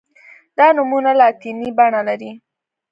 دا نومونه لاتیني بڼه لري.